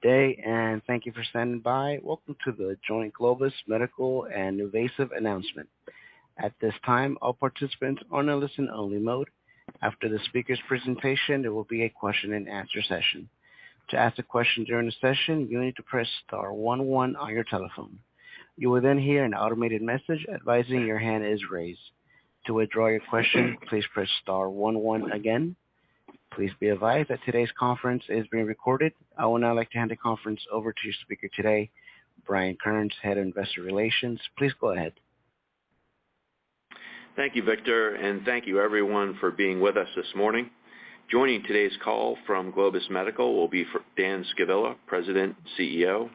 Good day, and thank you for standing by. Welcome to the joint Globus Medical and NuVasive announcement. At this time, all participants are in a listen-only mode. After the speaker's presentation, there will be a question-and-answer session. To ask a question during the session, you need to press star one one on your telephone. You will then hear an automated message advising your hand is raised. To withdraw your question, please press star one one again. Please be advised that today's conference is being recorded. I would now like to hand the conference over to your speaker today, Brian Kearns, Head of Investor Relations. Please go ahead. Thank you, Victor, and thank you everyone for being with us this morning. Joining today's call from Globus Medical will be for Dan Scavilla, President, CEO,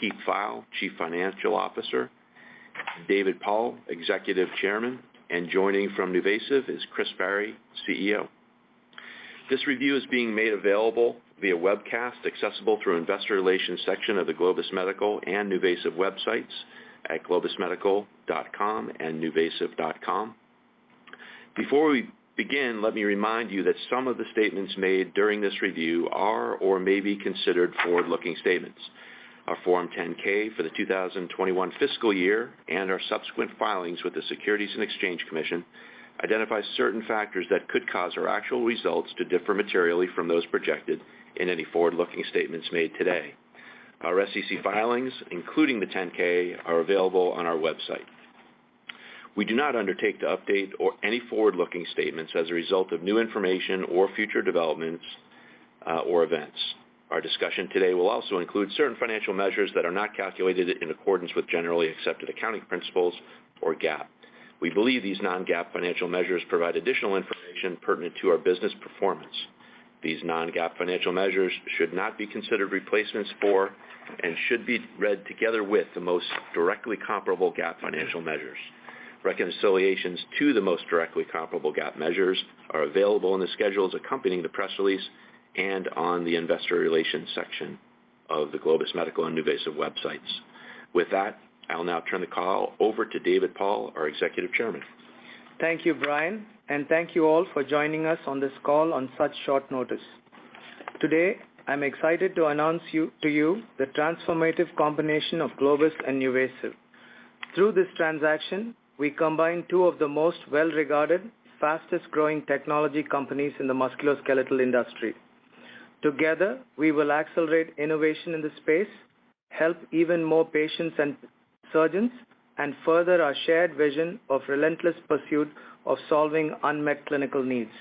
Keith Pfeil, Chief Financial Officer, David Paul, Executive Chairman, and joining from NuVasive is Chris Barry, CEO. This review is being made available via webcast, accessible through investor relations section of the Globus Medical and NuVasive websites at globusmedical.com and nuvasive.com. Before we begin, let me remind you that some of the statements made during this review are or may be considered forward-looking statements. Our Form 10-K for the 2021 fiscal year and our subsequent filings with the Securities and Exchange Commission identify certain factors that could cause our actual results to differ materially from those projected in any forward-looking statements made today. Our SEC filings, including the 10-K, are available on our website. We do not undertake to update or any forward-looking statements as a result of new information or future developments or events. Our discussion today will also include certain financial measures that are not calculated in accordance with generally accepted accounting principles or GAAP. We believe these non-GAAP financial measures provide additional information pertinent to our business performance. These non-GAAP financial measures should not be considered replacements for and should be read together with the most directly comparable GAAP financial measures. Reconciliations to the most directly comparable GAAP measures are available in the schedules accompanying the press release and on the investor relations section of the Globus Medical and NuVasive websites. With that, I'll now turn the call over to David Paul, our Executive Chairman. Thank you, Brian, and thank you all for joining us on this call on such short notice. Today, I'm excited to announce to you the transformative combination of Globus and NuVasive. Through this transaction, we combine two of the most well-regarded, fastest-growing technology companies in the musculoskeletal industry. Together, we will accelerate innovation in the space, help even more patients and surgeons, and further our shared vision of relentless pursuit of solving unmet clinical needs.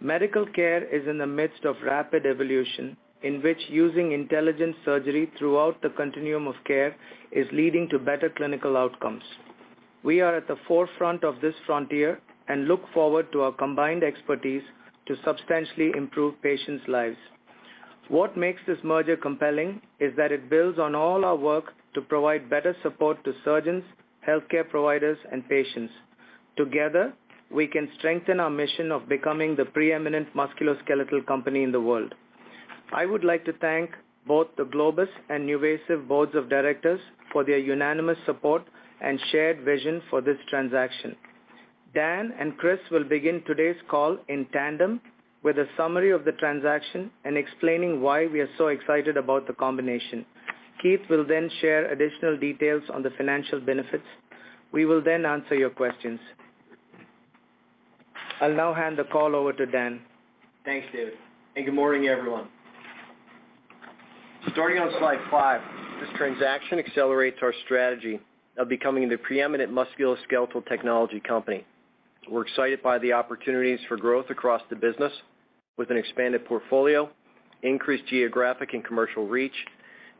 Medical care is in the midst of rapid evolution, in which using intelligent surgery throughout the continuum of care is leading to better clinical outcomes. We are at the forefront of this frontier and look forward to our combined expertise to substantially improve patients' lives. What makes this merger compelling is that it builds on all our work to provide better support to surgeons, healthcare providers, and patients. Together, we can strengthen our mission of becoming the preeminent musculoskeletal company in the world. I would like to thank both the Globus and NuVasive boards of directors for their unanimous support and shared vision for this transaction. Dan and Chris will begin today's call in tandem with a summary of the transaction and explaining why we are so excited about the combination. Keith will share additional details on the financial benefits. We will answer your questions. I'll now hand the call over to Dan. Thanks, David. Good morning, everyone. Starting on slide five, this transaction accelerates our strategy of becoming the preeminent musculoskeletal technology company. We're excited by the opportunities for growth across the business with an expanded portfolio, increased geographic and commercial reach,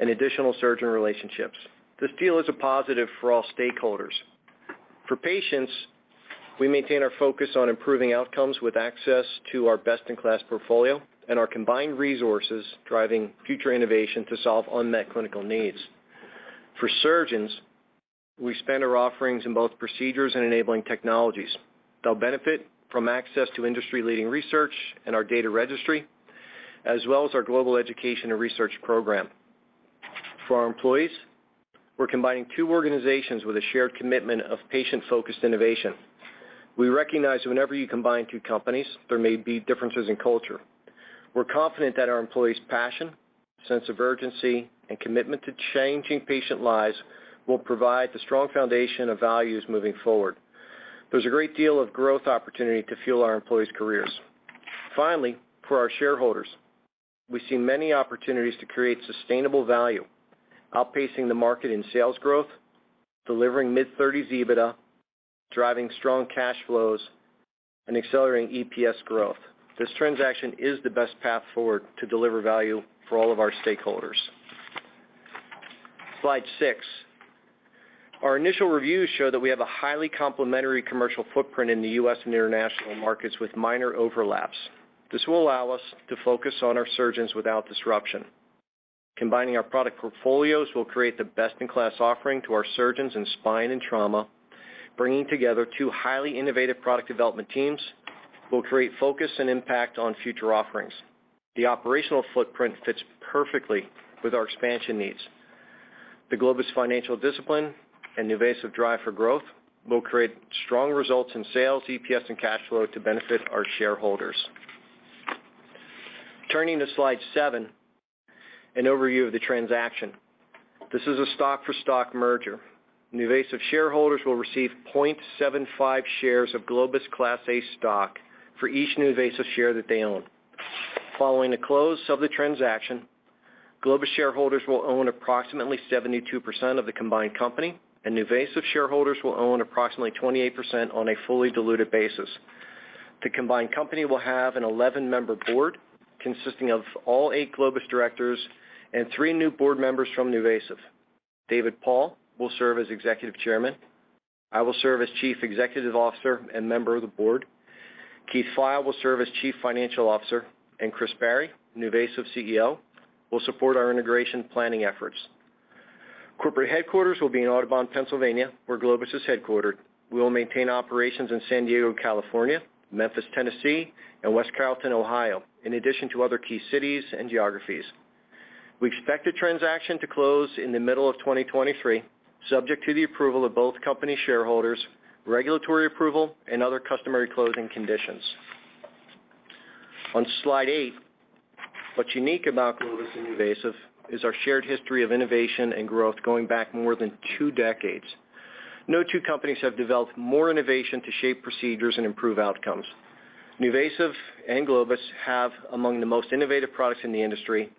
and additional surgeon relationships. This deal is a positive for all stakeholders. For patients, we maintain our focus on improving outcomes with access to our best-in-class portfolio and our combined resources driving future innovation to solve unmet clinical needs. For surgeons, we expand our offerings in both procedures and enabling technologies. They'll benefit from access to industry-leading research and our data registry, as well as our global education and research program. For our employees, we're combining two organizations with a shared commitment of patient-focused innovation. We recognize whenever you combine two companies, there may be differences in culture. We're confident that our employees' passion, sense of urgency, and commitment to changing patient lives will provide the strong foundation of values moving forward. There's a great deal of growth opportunity to fuel our employees' careers. Finally, for our shareholders, we see many opportunities to create sustainable value, outpacing the market in sales growth, delivering mid-thirties EBITDA, driving strong cash flows, and accelerating EPS growth. This transaction is the best path forward to deliver value for all of our stakeholders. Slide six. Our initial reviews show that we have a highly complementary commercial footprint in the U.S. and international markets with minor overlaps. This will allow us to focus on our surgeons without disruption. Combining our product portfolios will create the best-in-class offering to our surgeons in spine and trauma. Bringing together two highly innovative product development teams will create focus and impact on future offerings. The operational footprint fits perfectly with our expansion needs. The Globus financial discipline and NuVasive drive for growth will create strong results in sales, EPS, and cash flow to benefit our shareholders. Turning to slide seven, an overview of the transaction. This is a stock for stock merger. NuVasive shareholders will receive 0.75 shares of Globus Class A stock for each NuVasive share that they own. Following the close of the transaction, Globus shareholders will own approximately 72% of the combined company, and NuVasive shareholders will own approximately 28% on a fully diluted basis. The combined company will have an 11-member board consisting of all eight Globus directors and three new board members from NuVasive. David Paul will serve as Executive Chairman. I will serve as Chief Executive Officer and member of the board. Keith Pfeil will serve as Chief Financial Officer. Chris Barry, NuVasive CEO, will support our integration planning efforts. Corporate headquarters will be in Audubon, Pennsylvania, where Globus is headquartered. We will maintain operations in San Diego, California, Memphis, Tennessee, and West Carrollton, Ohio, in addition to other key cities and geographies. We expect the transaction to close in the middle of 2023, subject to the approval of both company shareholders, regulatory approval, and other customary closing conditions. On slide eight, what's unique about Globus and NuVasive is our shared history of innovation and growth going back more than two decades. No two companies have developed more innovation to shape procedures and improve outcomes. NuVasive and Globus have among the most innovative products in the industry.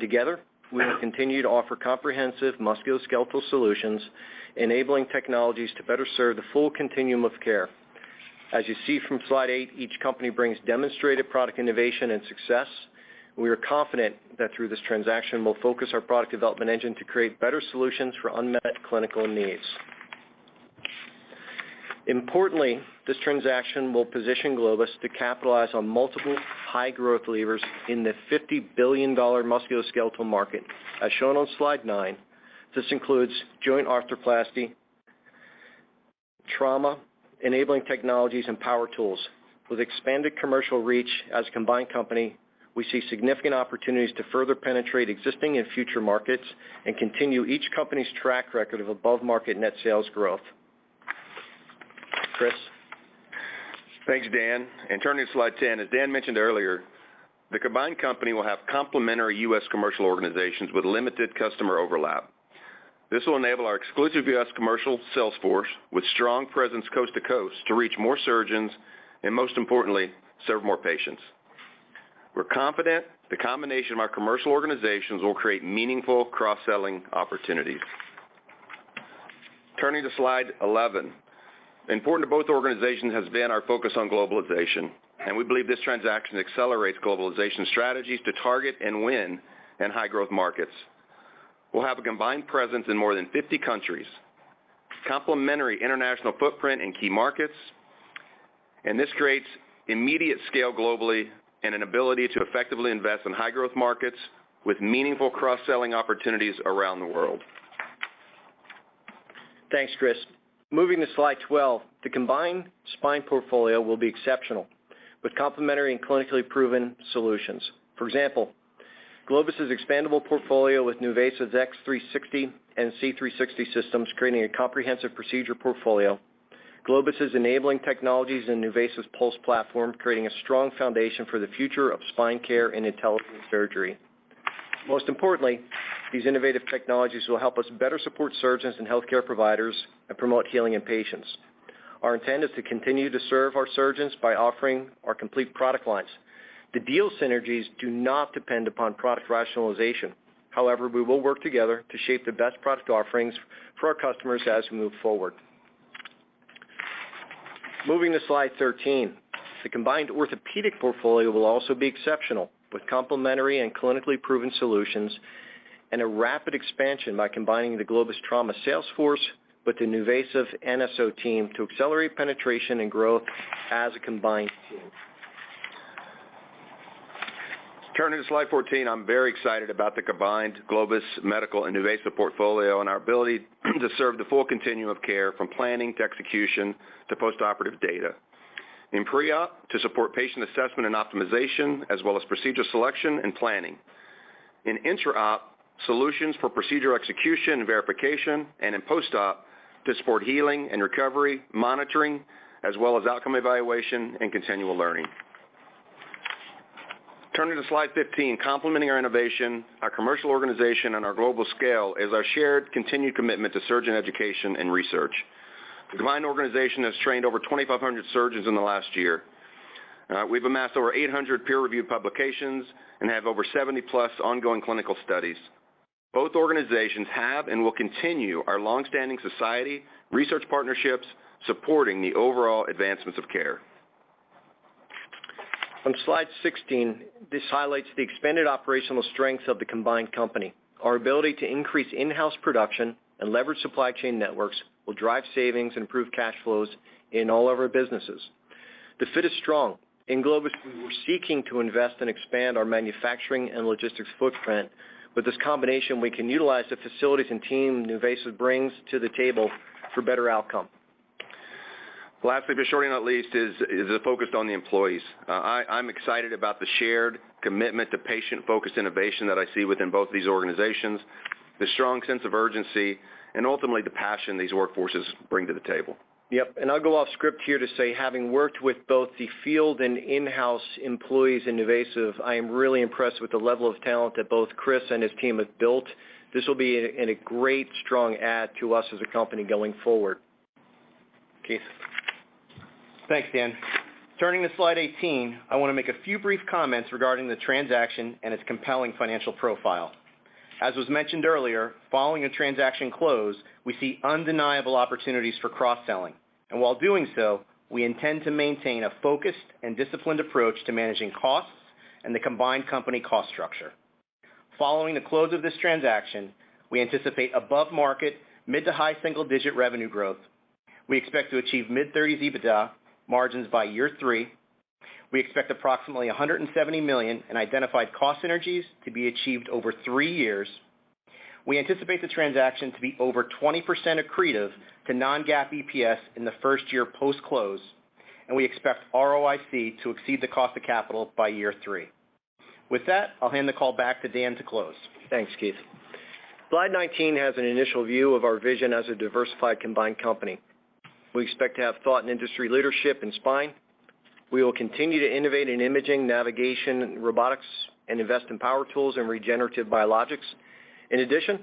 Together we will continue to offer comprehensive musculoskeletal solutions, enabling technologies to better serve the full continuum of care. As you see from slide eight, each company brings demonstrated product innovation and success. We are confident that through this transaction, we'll focus our product development engine to create better solutions for unmet clinical needs. Importantly, this transaction will position Globus to capitalize on multiple high growth levers in the $50 billion musculoskeletal market. As shown on slide nine, this includes joint arthroplasty, trauma, enabling technologies, and power tools. With expanded commercial reach as a combined company, we see significant opportunities to further penetrate existing and future markets and continue each company's track record of above-market net sales growth. Chris? Thanks, Dan. Turning to slide 10, as Dan mentioned earlier, the combined company will have complementary U.S. commercial organizations with limited customer overlap. This will enable our exclusive U.S. commercial sales force with strong presence coast to coast to reach more surgeons, and most importantly, serve more patients. We're confident the combination of our commercial organizations will create meaningful cross-selling opportunities. Turning to slide 11. Important to both organizations has been our focus on globalization, and we believe this transaction accelerates globalization strategies to target and win in high growth markets. We'll have a combined presence in more than 50 countries, complementary international footprint in key markets, and this creates immediate scale globally and an ability to effectively invest in high growth markets with meaningful cross-selling opportunities around the world. Thanks, Chris. Moving to slide 12. The combined spine portfolio will be exceptional, with complementary and clinically proven solutions. For example, Globus' expandable portfolio with NuVasive's X360 and C360 systems, creating a comprehensive procedure portfolio. Globus' enabling technologies and NuVasive's Pulse platform, creating a strong foundation for the future of spine care and intelligent surgery. Most importantly, these innovative technologies will help us better support surgeons and healthcare providers and promote healing in patients. Our intent is to continue to serve our surgeons by offering our complete product lines. The deal synergies do not depend upon product rationalization. We will work together to shape the best product offerings for our customers as we move forward. Moving to slide 13. The combined orthopedic portfolio will also be exceptional, with complementary and clinically proven solutions and a rapid expansion by combining the Globus trauma sales force with the NuVasive NSO team to accelerate penetration and growth as a combined team. Turning to slide 14, I'm very excited about the combined Globus Medical and NuVasive portfolio and our ability to serve the full continuum of care, from planning to execution to postoperative data. In pre-op, to support patient assessment and optimization, as well as procedure selection and planning. In intra-op, solutions for procedure execution and verification, and in post-op, to support healing and recovery, monitoring, as well as outcome evaluation and continual learning. Turning to slide 15, complementing our innovation, our commercial organization, and our global scale is our shared continued commitment to surgeon education and research. The combined organization has trained over 2,500 surgeons in the last year. We've amassed over 800 peer-reviewed publications and have over 70+ ongoing clinical studies. Both organizations have and will continue our long-standing society research partnerships supporting the overall advancements of care. On slide 16, this highlights the expanded operational strengths of the combined company. Our ability to increase in-house production and leverage supply chain networks will drive savings and improve cash flows in all of our businesses. The fit is strong. In Globus, we were seeking to invest and expand our manufacturing and logistics footprint. With this combination, we can utilize the facilities and team NuVasive brings to the table for better outcome. Lastly, but surely not least, is a focus on the employees. I'm excited about the shared commitment to patient-focused innovation that I see within both of these organizations, the strong sense of urgency, and ultimately the passion these workforces bring to the table. Yep. I'll go off script here to say, having worked with both the field and in-house employees in NuVasive, I am really impressed with the level of talent that both Chris and his team have built. This will be a great strong add to us as a company going forward. Keith? Thanks, Dan. Turning to slide 18, I wanna make a few brief comments regarding the transaction and its compelling financial profile. As was mentioned earlier, following a transaction close, we see undeniable opportunities for cross-selling. While doing so, we intend to maintain a focused and disciplined approach to managing costs and the combined company cost structure. Following the close of this transaction, we anticipate above market mid to high single-digit revenue growth. We expect to achieve mid-thirties EBITDA margins by year three. We expect approximately $170 million in identified cost synergies to be achieved over three years. We anticipate the transaction to be over 20% accretive to non-GAAP EPS in the first year post-close, and we expect ROIC to exceed the cost of capital by year three. With that, I'll hand the call back to Dan to close. Thanks, Keith. Slide 19 has an initial view of our vision as a diversified combined company. We expect to have thought and industry leadership in spine. We will continue to innovate in imaging, navigation, robotics, and invest in power tools and regenerative biologics. In addition,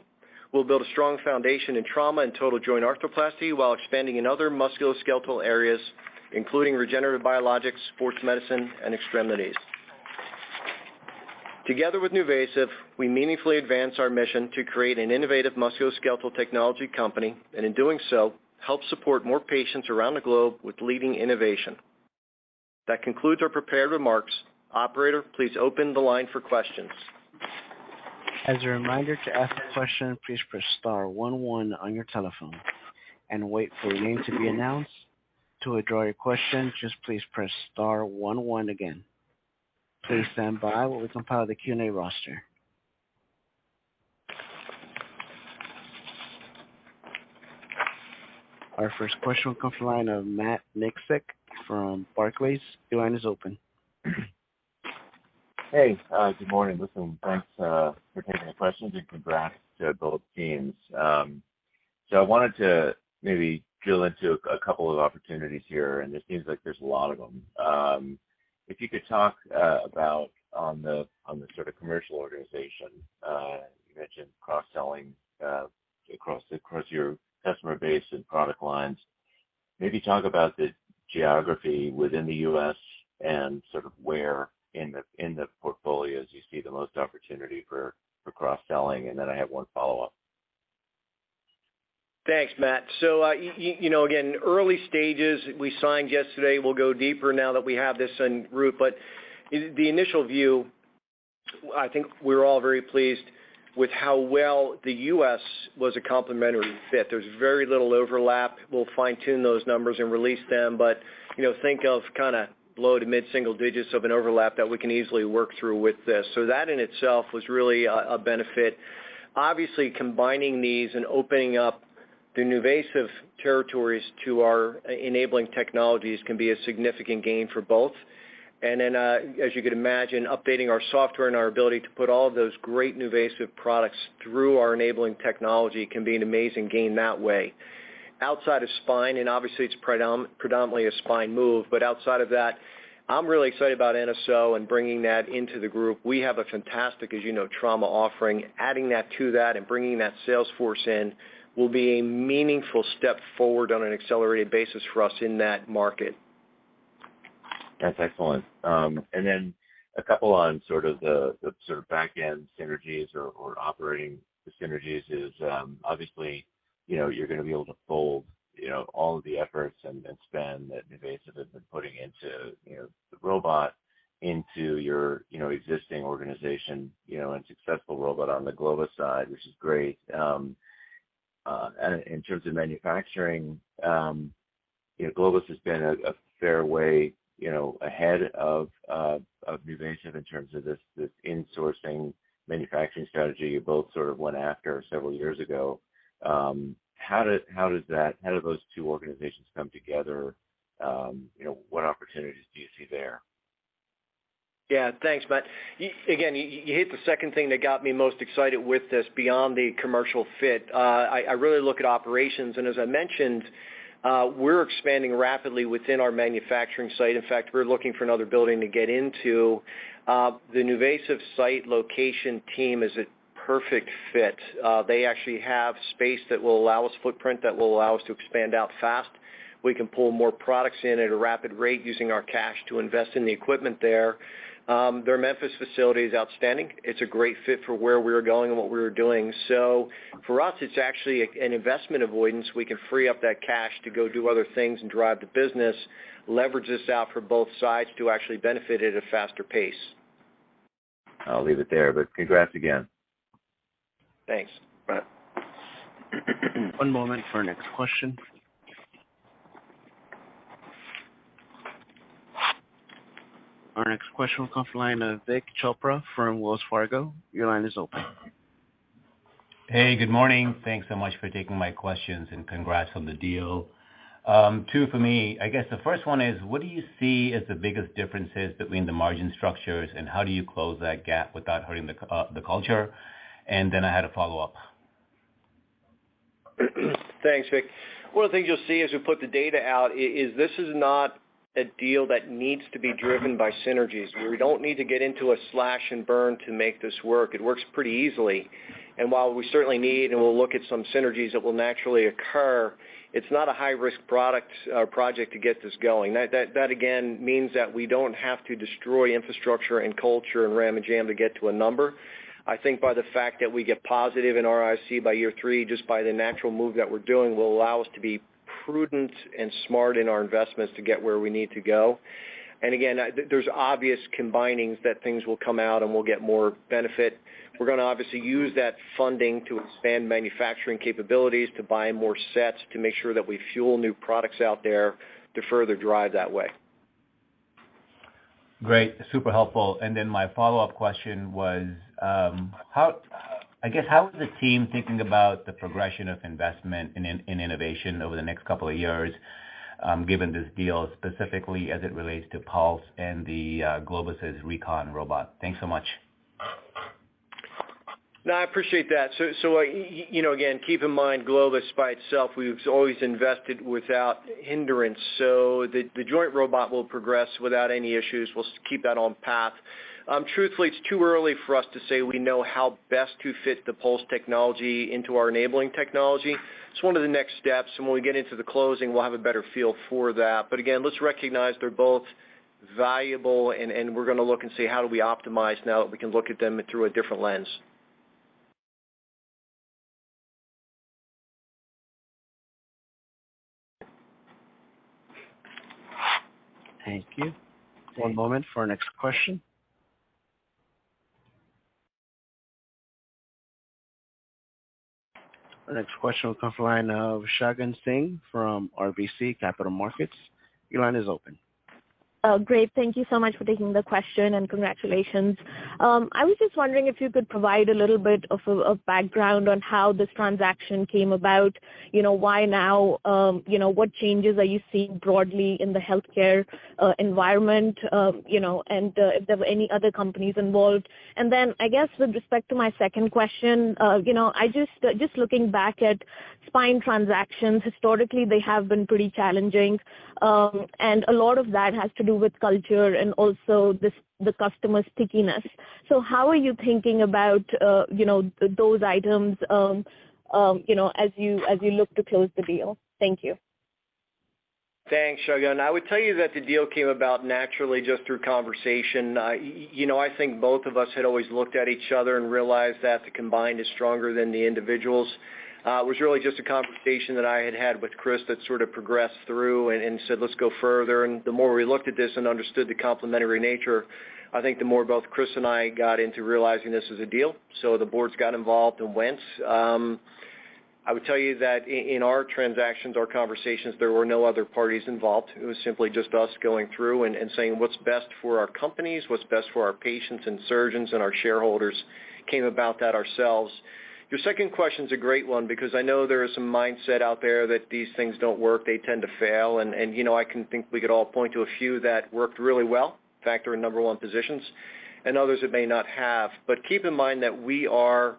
we'll build a strong foundation in trauma and total joint arthroplasty while expanding in other musculoskeletal areas, including regenerative biologics, sports medicine, and extremities. Together with NuVasive, we meaningfully advance our mission to create an innovative musculoskeletal technology company, and in doing so, help support more patients around the globe with leading innovation. That concludes our prepared remarks. Operator, please open the line for questions. As a reminder, to ask a question, please press star one one on your telephone and wait for your name to be announced. To withdraw your question, just please press star one one again. Please stand by while we compile the Q&A roster. Our first question will come from the line of Matt Miksic from Barclays. Your line is open. Hey, good morning. Listen, thanks for taking the questions and congrats to both teams. I wanted to maybe drill into a couple of opportunities here, and it seems like there's a lot of them. If you could talk about on the sort of commercial organization, you mentioned cross-selling across your customer base and product lines. Maybe talk about the geography within the U.S. and sort of where in the portfolios you see the most opportunity for cross-selling, and then I have one follow-up. Thanks, Matt. You know, again, early stages, we signed yesterday. We'll go deeper now that we have this en route. The initial view, I think we're all very pleased with how well the U.S. was a complementary fit. There's very little overlap. We'll fine tune those numbers and release them. You know, think of kind of low to mid single digits of an overlap that we can easily work through with this. That in itself was really a benefit. Obviously, combining these and opening up the NuVasive territories to our enabling technologies can be a significant gain for both. As you could imagine, updating our software and our ability to put all of those great NuVasive products through our enabling technology can be an amazing gain that way. Outside of spine, and obviously, it's predominantly a spine move, but outside of that, I'm really excited about NSO and bringing that into the group. We have a fantastic, as you know, trauma offering. Adding that to that and bringing that sales force in will be a meaningful step forward on an accelerated basis for us in that market. That's excellent. A couple on sort of the sort of back end synergies or operating the synergies is, obviously, you know, you're gonna be able to fold, you know, all of the efforts and spend that NuVasive has been putting into, you know, the robot into your, you know, existing organization, you know, and successful robot on the Globus side, which is great. In terms of manufacturing, you know, Globus has been a fair way, you know, ahead of NuVasive in terms of this insourcing manufacturing strategy you both sort of went after several years ago. How do those two organizations come together? You know, what opportunities do you see there? Thanks, Matt. Again, you hit the second thing that got me most excited with this beyond the commercial fit. I really look at operations, and as I mentioned, we're expanding rapidly within our manufacturing site. In fact, we're looking for another building to get into. The NuVasive site location team is a perfect fit. They actually have space that will allow us footprint, that will allow us to expand out fast. We can pull more products in at a rapid rate using our cash to invest in the equipment there. Their Memphis facility is outstanding. It's a great fit for where we're going and what we're doing. For us, it's actually an investment avoidance. We can free up that cash to go do other things and drive the business, leverage this out for both sides to actually benefit at a faster pace. I'll leave it there, but congrats again. Thanks, Matt. One moment for our next question. Our next question will come from the line of Vik Chopra from Wells Fargo. Your line is open. Hey, good morning. Thanks so much for taking my questions and congrats on the deal. Two for me. I guess the first one is, what do you see as the biggest differences between the margin structures, and how do you close that gap without hurting the culture? Then I had a follow-up. Thanks, Vik. One of the things you'll see as we put the data out is this is not a deal that needs to be driven by synergies. We don't need to get into a slash and burn to make this work. It works pretty easily. While we certainly need, and we'll look at some synergies that will naturally occur, it's not a high risk product, project to get this going. That again means that we don't have to destroy infrastructure and culture and ram and jam to get to a number. I think by the fact that we get positive in ROIC by year three, just by the natural move that we're doing will allow us to be prudent and smart in our investments to get where we need to go. Again, there's obvious combinings that things will come out and we'll get more benefit. We're gonna obviously use that funding to expand manufacturing capabilities, to buy more sets, to make sure that we fuel new products out there to further drive that way. Great. Super helpful. My follow-up question was, I guess, how is the team thinking about the progression of investment in innovation over the next couple of years, given this deal specifically as it relates to Pulse and the Globus' recon robot? Thanks so much. I appreciate that. You know, again, keep in mind, Globus by itself, we've always invested without hindrance. The joint robot will progress without any issues. We'll keep that on path. Truthfully, it's too early for us to say we know how best to fit the Pulse technology into our enabling technology. It's one of the next steps, and when we get into the closing, we'll have a better feel for that. Again, let's recognize they're both valuable and we're gonna look and see how do we optimize now that we can look at them through a different lens. Thank you. One moment for our next question. Our next question will come from the line of Shagun Singh from RBC Capital Markets. Your line is open. Great. Thank you so much for taking the question and congratulations. I was just wondering if you could provide a little bit of background on how this transaction came about. You know, why now? You know, what changes are you seeing broadly in the healthcare environment? You know, if there were any other companies involved. Then I guess with respect to my second question, you know, I just looking back at spine transactions, historically, they have been pretty challenging. A lot of that has to do with culture and also the customer stickiness. How are you thinking about, you know, those items, you know, as you look to close the deal? Thank you. Thanks, Shagun. I would tell you that the deal came about naturally just through conversation. You know, I think both of us had always looked at each other and realized that the combined is stronger than the individuals. It was really just a conversation that I had had with Chris that sort of progressed through and said, "Let's go further." The more we looked at this and understood the complementary nature, I think the more both Chris and I got into realizing this is a deal. The boards got involved and went. I would tell you that in our transactions, our conversations, there were no other parties involved. It was simply just us going through and saying what's best for our companies, what's best for our patients and surgeons and our shareholders came about that ourselves. Your second question's a great one because I know there is some mindset out there that these things don't work, they tend to fail. You know, I can think we could all point to a few that worked really well. Factor in number one positions and others that may not have. Keep in mind that we are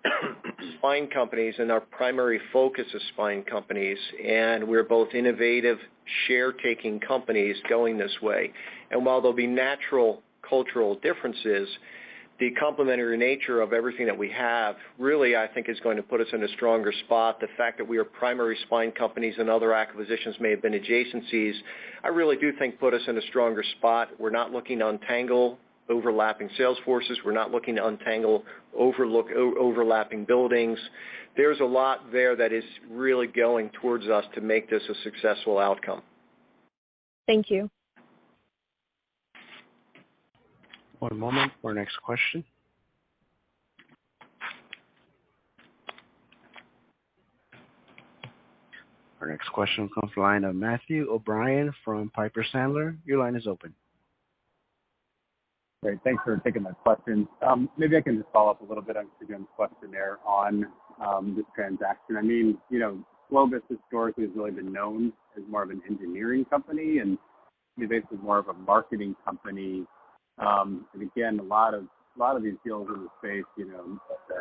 spine companies and our primary focus is spine companies, and we're both innovative share taking companies going this way. While there'll be natural cultural differences, the complementary nature of everything that we have really, I think, is going to put us in a stronger spot. The fact that we are primary spine companies and other acquisitions may have been adjacencies, I really do think put us in a stronger spot. We're not looking to untangle overlapping sales forces. We're not looking to untangle overlapping buildings. There's a lot there that is really going towards us to make this a successful outcome. Thank you. One moment for our next question. Our next question comes from the line of Matthew O'Brien from Piper Sandler. Your line is open. Great. Thanks for taking my question. Maybe I can just follow up a little bit on Shagun's question there on this transaction. I mean, you know, Globus historically has really been known as more of an engineering company and NuVasive more of a marketing company. Again, a lot of these deals in the space, you know,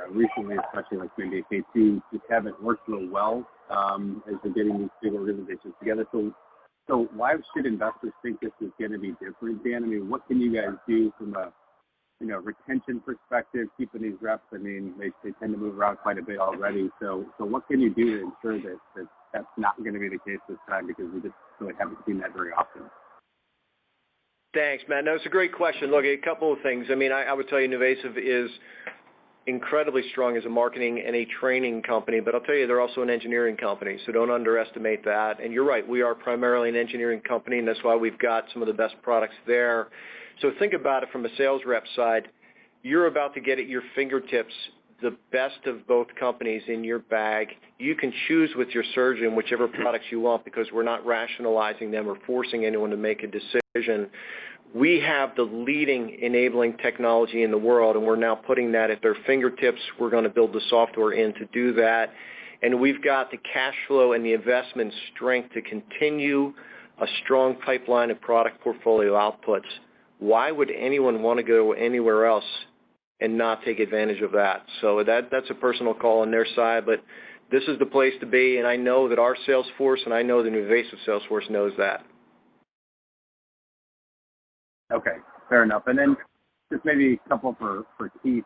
recently, especially like maybe [ATEC], just haven't worked real well as they're getting these deal organizations together. Why should investors think this is gonna be different, Dan? I mean, what can you guys do from a, you know, retention perspective, keeping these reps? I mean, they tend to move around quite a bit already. What can you do to ensure that that's not gonna be the case this time? Because we just really haven't seen that very often. Thanks, Matt. It's a great question. A couple of things. I mean, I would tell you NuVasive is incredibly strong as a marketing and a training company. I'll tell you they're also an engineering company, so don't underestimate that. You're right, we are primarily an engineering company, and that's why we've got some of the best products there. Think about it from a sales rep side. You're about to get at your fingertips the best of both companies in your bag. You can choose with your surgeon whichever products you want because we're not rationalizing them or forcing anyone to make a decision. We have the leading enabling technology in the world, and we're now putting that at their fingertips. We're going to build the software in to do that. We've got the cash flow and the investment strength to continue a strong pipeline of product portfolio outputs. Why would anyone want to go anywhere else and not take advantage of that? That's a personal call on their side, but this is the place to be, and I know that our sales force, and I know the NuVasive sales force knows that. Okay, fair enough. Just maybe a couple for Keith.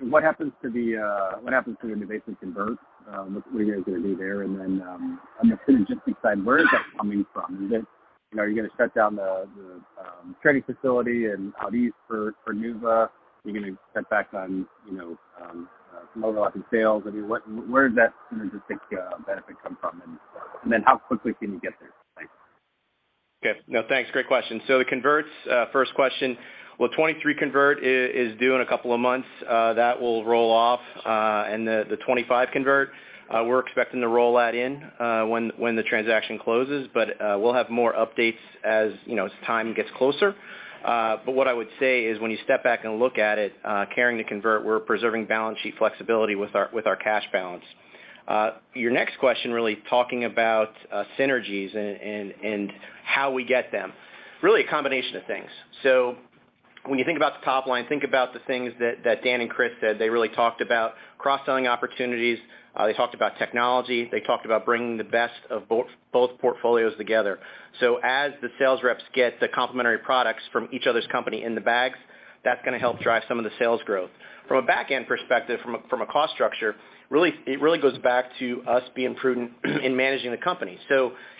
What happens to the NuVasive converts? What are you guys gonna do there? On the synergistic side, where is that coming from? You know, are you gonna shut down the training facility in out east for [NuVa]? Are you gonna cut back on, you know, some overlapping sales? I mean, where is that synergistic benefit come from? Then how quickly can you get there? Thanks. Okay. No, thanks. Great question. The converts, first question. Well, 2023 convert is due in a couple of months. That will roll off. And the 2025 convert, we're expecting to roll that in when the transaction closes, but we'll have more updates as, you know, as time gets closer. But what I would say is when you step back and look at it, carrying the convert, we're preserving balance sheet flexibility with our cash balance. Your next question really talking about synergies and how we get them. Really a combination of things. When you think about the top line, think about the things that Dan and Chris said. They really talked about cross-selling opportunities. They talked about technology. They talked about bringing the best of both portfolios together. As the sales reps get the complementary products from each other's company in the bags, that's gonna help drive some of the sales growth. From a back-end perspective, from a, from a cost structure, it really goes back to us being prudent in managing the company.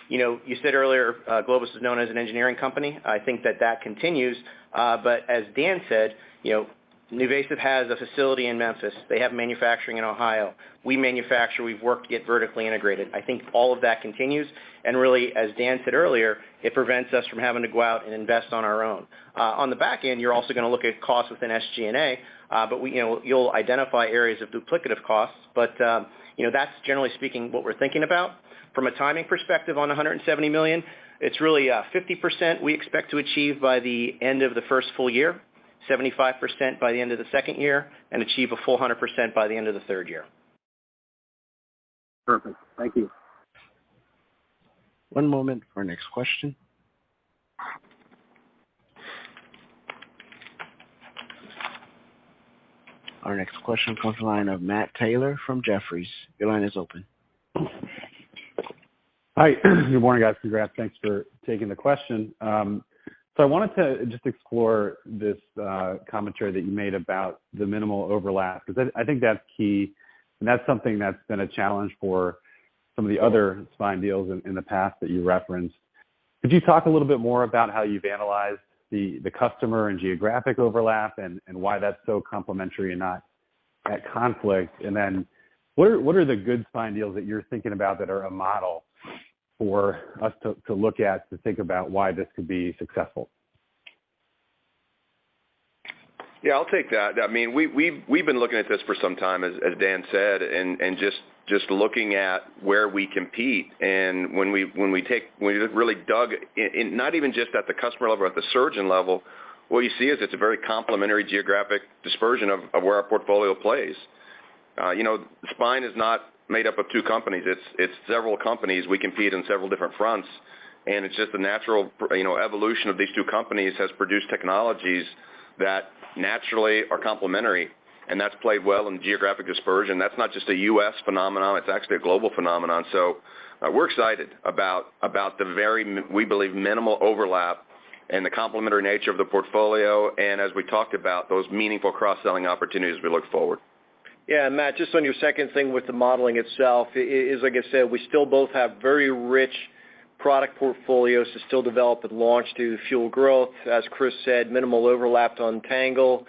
You know, you said earlier, Globus is known as an engineering company. I think that that continues. As Dan said, you know, NuVasive has a facility in Memphis. They have manufacturing in Ohio. We manufacture, we've worked to get vertically integrated. I think all of that continues. Really, as Dan said earlier, it prevents us from having to go out and invest on our own. On the back end, you're also gonna look at costs within SG&A, we, you know, you'll identify areas of duplicative costs. But you know, that's generally speaking what we're thinking about. From a timing perspective on $170 million, it's really 50% we expect to achieve by the end of the first full year, 75% by the end of the second year, and achieve a full 100% by the end of the third year. Perfect. Thank you. One moment for our next question. Our next question comes the line of Matt Taylor from Jefferies. Your line is open. Hi. Good morning, guys. Congrats. Thanks for taking the question. I wanted to just explore this commentary that you made about the minimal overlap, because I think that's key, and that's something that's been a challenge for some of the other spine deals in the past that you referenced. Could you talk a little bit more about how you've analyzed the customer and geographic overlap and why that's so complementary and not at conflict? What are the good spine deals that you're thinking about that are a model for us to look at, to think about why this could be successful? Yeah, I'll take that. I mean, we've been looking at this for some time, as Dan said, and just looking at where we compete. When we really dug in not even just at the customer level, at the surgeon level, what you see is it's a very complementary geographic dispersion of where our portfolio plays. You know, spine is not made up of two companies. It's several companies. We compete on several different fronts, and it's just the natural, you know, evolution of these two companies has produced technologies that naturally are complementary, and that's played well in the geographic dispersion. That's not just a U.S. phenomenon. It's actually a global phenomenon. We're excited about the very, we believe, minimal overlap and the complementary nature of the portfolio. As we talked about those meaningful cross-selling opportunities, we look forward. Yeah. Matt, just on your second thing with the modeling itself like I said, we still both have very rich product portfolios to still develop and launch to fuel growth. As Chris said, minimal overlap to untangle.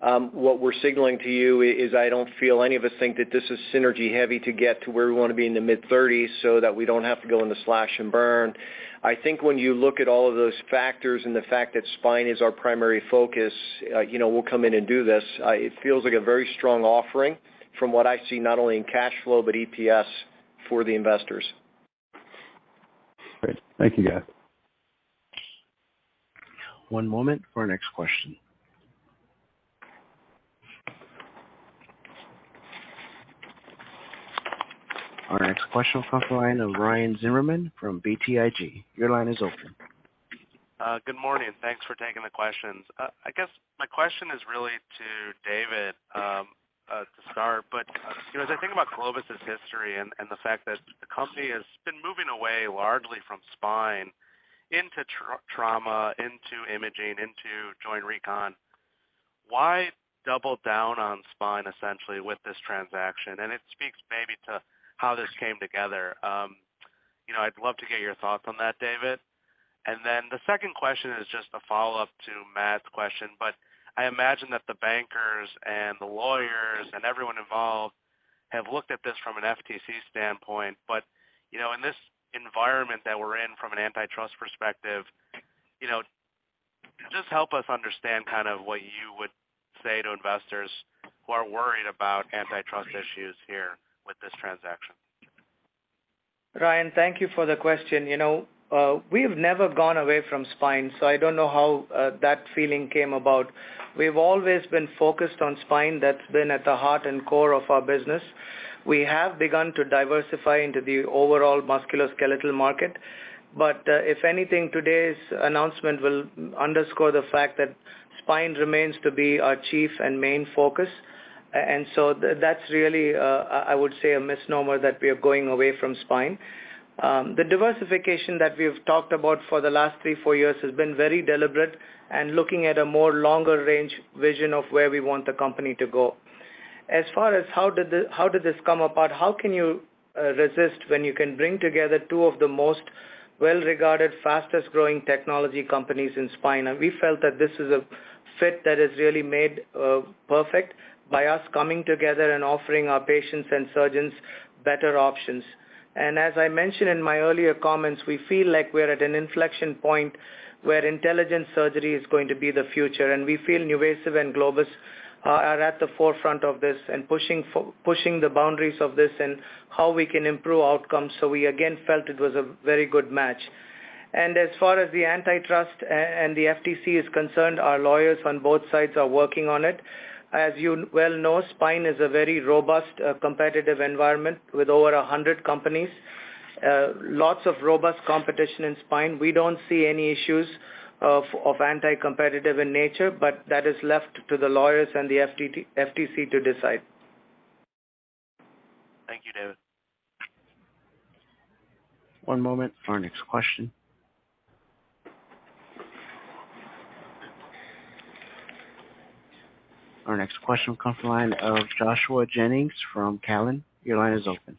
What we're signaling to you is I don't feel any of us think that this is synergy heavy to get to where we want to be in the mid-thirties so that we don't have to go into slash and burn. I think when you look at all of those factors and the fact that spine is our primary focus, you know, we'll come in and do this. It feels like a very strong offering from what I see not only in cash flow, but EPS for the investors. Great. Thank you, guys. One moment for our next question. Our next question comes from the line of Ryan Zimmerman from BTIG. Your line is open. Good morning. Thanks for taking the questions. I guess my question is really to David to start, but, you know, as I think about Globus's history and the fact that the company has been moving away largely from spine into trauma, into imaging, into joint recon, why double down on spine essentially with this transaction? It speaks maybe to how this came together. You know, I'd love to get your thoughts on that, David. Then the second question is just a follow-up to Matt's question, but I imagine that the bankers and the lawyers and everyone involved Have looked at this from an FTC standpoint, but, you know, in this environment that we're in from an antitrust perspective, you know, just help us understand kind of what you would say to investors who are worried about antitrust issues here with this transaction. Ryan, thank you for the question. You know, we've never gone away from spine, so I don't know how that feeling came about. We've always been focused on spine. That's been at the heart and core of our business. We have begun to diversify into the overall musculoskeletal market. If anything, today's announcement will underscore the fact that spine remains to be our chief and main focus. That's really, I would say a misnomer that we are going away from spine. The diversification that we've talked about for the last three, four years has been very deliberate and looking at a more longer range vision of where we want the company to go. As far as how did this come apart? How can you resist when you can bring together two of the most well-regarded, fastest-growing technology companies in spine? We felt that this is a fit that is really made perfect by us coming together and offering our patients and surgeons better options. As I mentioned in my earlier comments, we feel like we're at an inflection point where intelligent surgery is going to be the future, and we feel NuVasive and Globus are at the forefront of this and pushing the boundaries of this and how we can improve outcomes. We again felt it was a very good match. As far as the antitrust and the FTC is concerned, our lawyers on both sides are working on it. As you well know, spine is a very robust, competitive environment with over 100 companies. Lots of robust competition in spine. We don't see any issues of anti-competitive in nature, but that is left to the lawyers and the FTC to decide. Thank you, David. One moment for our next question. Our next question will come from the line of Joshua Jennings from Cowen. Your line is open.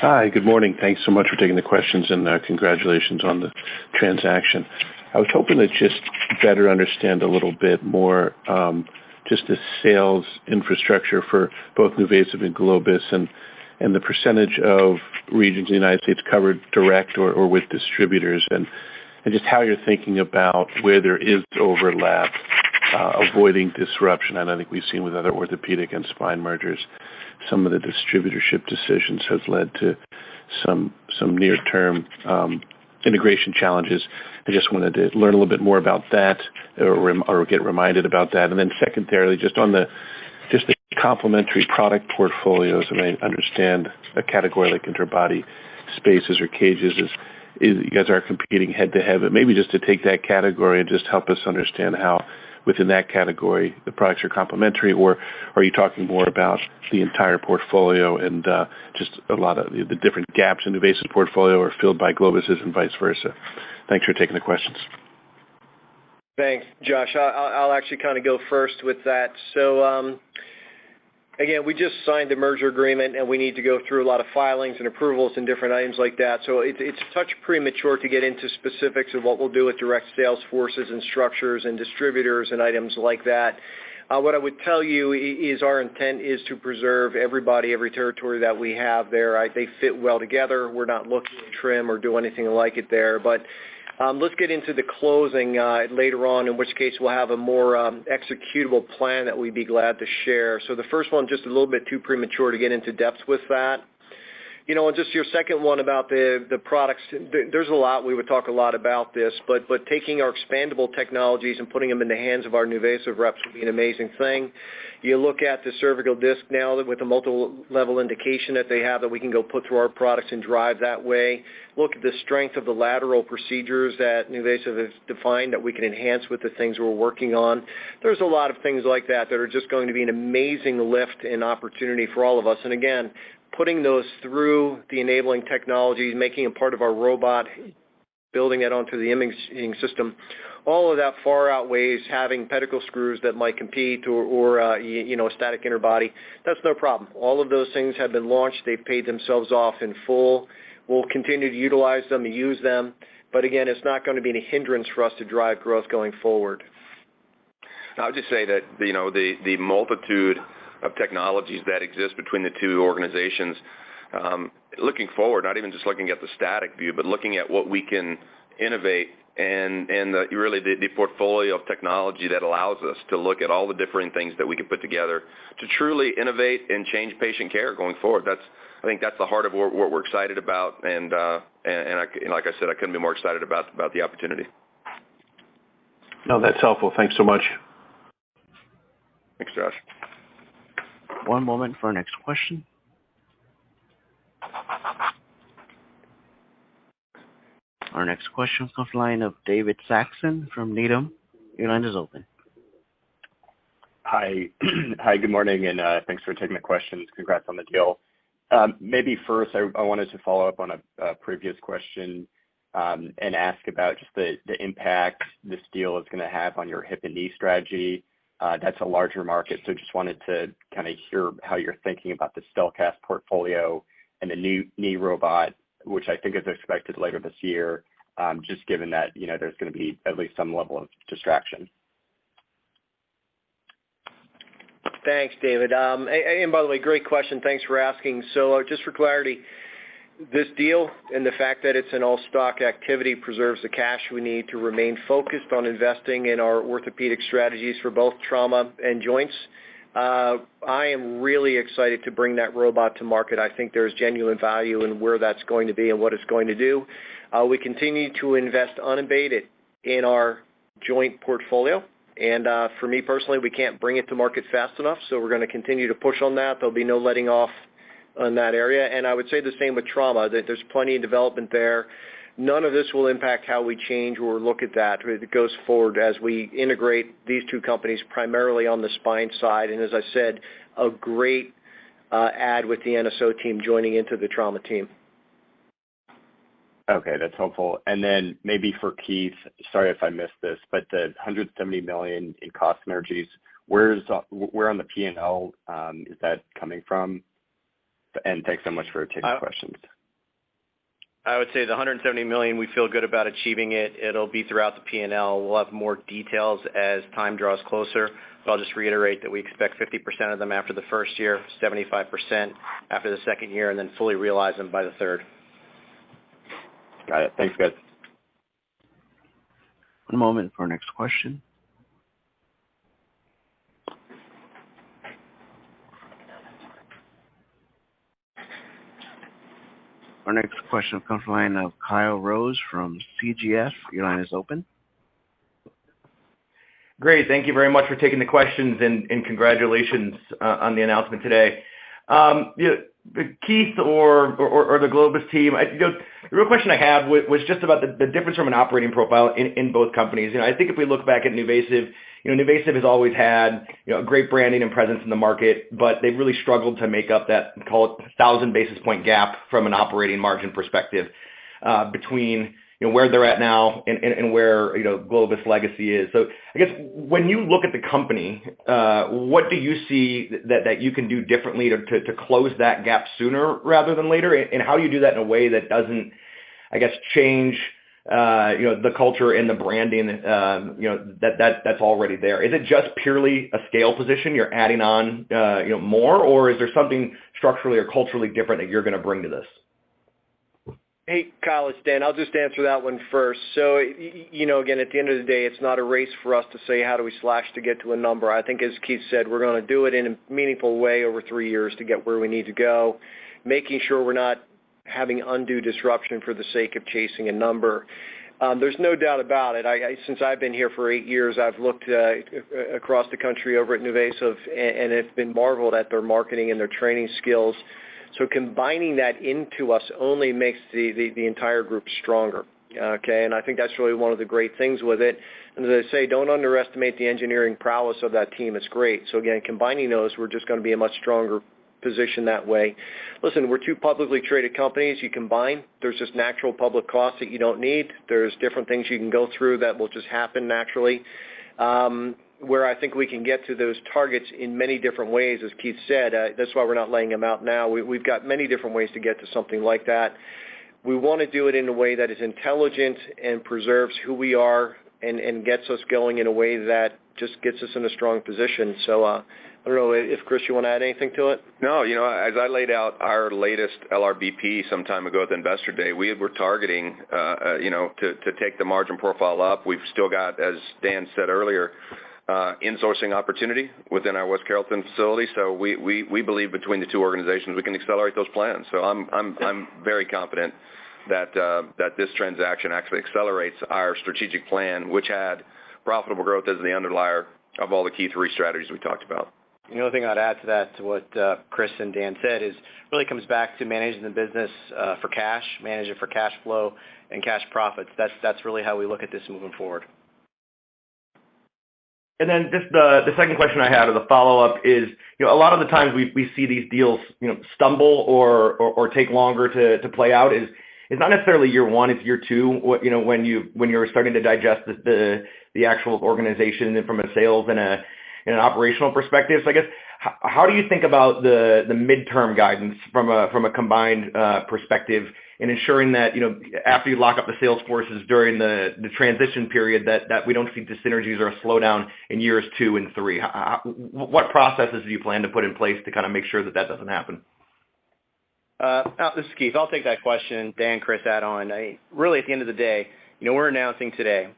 Hi. Good morning. Thanks so much for taking the questions, congratulations on the transaction. I was hoping to just better understand a little bit more, just the sales infrastructure for both NuVasive and Globus and the percentage of regions in the United covered direct or with distributors. Just how you're thinking about where there is overlap, avoiding disruption. I think we've seen with other orthopedic and spine mergers, some of the distributorship decisions has led to some near-term integration challenges. I just wanted to learn a little bit more about that or get reminded about that. Secondarily, just on the just the complementary product portfolios, I mean, understand a category like interbody spaces or cages you guys are competing head-to-head. Maybe just to take that category and just help us understand how within that category the products are complementary, or are you talking more about the entire portfolio and just a lot of the different gaps in NuVasive portfolio are filled by Globus's and vice versa? Thanks for taking the questions. Thanks, Josh. I'll actually kind of go first with that. Again, we just signed a merger agreement, and we need to go through a lot of filings and approvals and different items like that. It's a touch premature to get into specifics of what we'll do with direct sales forces and structures and distributors and items like that. What I would tell you is our intent is to preserve everybody, every territory that we have there. They fit well together. We're not looking to trim or do anything like it there. Let's get into the closing later on, in which case we'll have a more executable plan that we'd be glad to share. The first one, just a little bit too premature to get into depths with that. You know, just your second one about the products, there's a lot, we would talk a lot about this, but taking our expandable technologies and putting them in the hands of our NuVasive reps will be an amazing thing. You look at the cervical disc now with a multiple level indication that they have that we can go put through our products and drive that way. Look at the strength of the lateral procedures that NuVasive has defined that we can enhance with the things we're working on. There's a lot of things like that that are just going to be an amazing lift and opportunity for all of us. Again, putting those through the enabling technologies, making it part of our robot, building that onto the imaging system, all of that far outweighs having pedicle screws that might compete or, you know, a static interbody. That's no problem. All of those things have been launched. They've paid themselves off in full. We'll continue to utilize them and use them. Again, it's not gonna be any hindrance for us to drive growth going forward. I'll just say that, you know, the multitude of technologies that exist between the two organizations, looking forward, not even just looking at the static view, but looking at what we can innovate and really the portfolio of technology that allows us to look at all the different things that we can put together to truly innovate and change patient care going forward. I think that's the heart of what we're excited about. Like I said, I couldn't be more excited about the opportunity. No, that's helpful. Thanks so much. Thanks, Josh. One moment for our next question. Our next question comes line of David Saxon from Needham. Your line is open. Hi. Hi, good morning, and thanks for taking the questions. Congrats on the deal. Maybe first, I wanted to follow up on a previous question and ask about just the impact this deal is gonna have on your hip and knee strategy. That's a larger market, so just wanted to kinda hear how you're thinking about the StelKast portfolio and the new knee robot, which I think is expected later this year, just given that, you know, there's gonna be at least some level of distraction. Thanks, David. And by the way, great question. Thanks for asking. Just for clarity, this deal and the fact that it's an all-stock activity preserves the cash we need to remain focused on investing in our orthopedic strategies for both trauma and joints. I am really excited to bring that robot to market. I think there's genuine value in where that's going to be and what it's going to do. We continue to invest unabated in our joint portfolio. For me personally, we can't bring it to market fast enough, so we're gonna continue to push on that. There'll be no letting off on that area. I would say the same with trauma, that there's plenty of development there. None of this will impact how we change or look at that as it goes forward, as we integrate these two companies primarily on the spine side. As I said, a great add with the NSO team joining into the trauma team. Okay, that's helpful. Maybe for Keith, sorry if I missed this, the $170 million in cost synergies, where on the P&L is that coming from? Thanks so much for taking the questions. I would say the $170 million, we feel good about achieving it. It'll be throughout the P&L. We'll have more details as time draws closer, but I'll just reiterate that we expect 50% of them after the first year, 75% after the second year, and then fully realize them by the third. Got it. Thanks, guys. One moment for our next question. Our next question comes from the line of Kyle Rose from CGF. Your line is open. Great. Thank you very much for taking the questions and congratulations on the announcement today. Keith or the Globus team, I guess the real question I have was just about the difference from an operating profile in both companies. You know, I think if we look back at NuVasive, you know, NuVasive has always had, you know, great branding and presence in the market, but they've really struggled to make up that, call it, 1,000 basis point gap from an operating margin perspective, between, you know, where they're at now and where, you know, Globus' legacy is. I guess when you look at the company, what do you see that you can do differently to close that gap sooner rather than later? How do you do that in a way that doesn't, I guess, change, you know, the culture and the branding, you know, that's already there? Is it just purely a scale position you're adding on, you know, more, or is there something structurally or culturally different that you're going to bring to this? Hey, Kyle, it's Dan. I'll just answer that one first. You know, again, at the end of the day, it's not a race for us to say, how do we slash to get to a number? I think as Keith said, we're going to do it in a meaningful way over three years to get where we need to go, making sure we're not having undue disruption for the sake of chasing a number. There's no doubt about it. Since I've been here for eight years, I've looked across the country over at NuVasive and have been marveled at their marketing and their training skills. Combining that into us only makes the entire group stronger, okay? I think that's really one of the great things with it. As I say, don't underestimate the engineering prowess of that team. It's great. Combining those, we're just going to be in a much stronger position that way. We're two publicly traded companies. You combine, there's just natural public costs that you don't need. There's different things you can go through that will just happen naturally. Where I think we can get to those targets in many different ways, as Keith said, that's why we're not laying them out now. We've got many different ways to get to something like that. We want to do it in a way that is intelligent and preserves who we are and gets us going in a way that just gets us in a strong position. I don't know if, Chris, you want to add anything to it? No. You know, as I laid out our latest LRBP some time ago at the Investor Day, we were targeting, you know, to take the margin profile up. We've still got, as Dan said earlier, insourcing opportunity within our West Carrollton facility. We believe between the two organizations, we can accelerate those plans. I'm very confident that this transaction actually accelerates our strategic plan, which had profitable growth as the underlier of all the key three strategies we talked about. The only thing I'd add to that, to what Chris and Dan said, is it really comes back to managing the business for cash, manage it for cash flow and cash profits. That's really how we look at this moving forward. Just the second question I had as a follow-up is, you know, a lot of the times we see these deals, you know, stumble or take longer to play out. It's not necessarily year one, it's year two, when you're starting to digest the actual organization and from a sales and an operational perspective. I guess, how do you think about the midterm guidance from a combined perspective in ensuring that, you know, after you lock up the sales forces during the transition period that we don't see dis-synergies or a slowdown in years two and three? What processes do you plan to put in place to kind of make sure that that doesn't happen? This is Keith. I'll take that question. Dan, Chris, add on. Really, at the end of the day, you know, we're announcing today,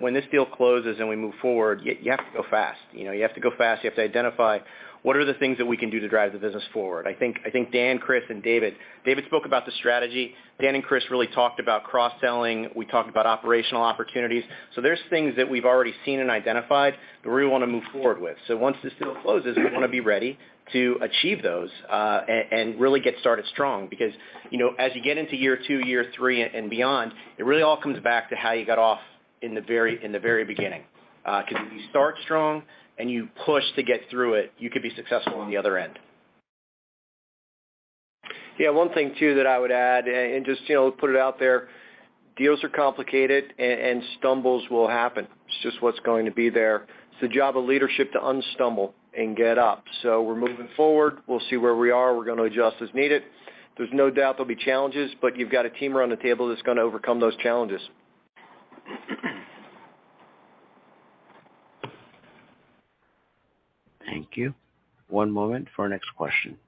when this deal closes and we move forward, you have to go fast. You know, you have to go fast. You have to identify what are the things that we can do to drive the business forward. I think Dan, Chris, and David. David spoke about the strategy. Dan and Chris really talked about cross-selling. We talked about operational opportunities. There's things that we've already seen and identified that we really want to move forward with. Once this deal closes, we want to be ready to achieve those and really get started strong because, you know, as you get into year two, year three and beyond, it really all comes back to how you got off in the very beginning. If you start strong and you push to get through it, you could be successful on the other end. Yeah. One thing, too, that I would add and just, you know, put it out there, deals are complicated and stumbles will happen. It's just what's going to be there. It's the job of leadership to unstumble and get up. We're moving forward. We'll see where we are. We're going to adjust as needed. There's no doubt there'll be challenges, you've got a team around the table that's going to overcome those challenges. Thank you. One moment for our next question.